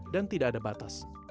dan tidak ada batas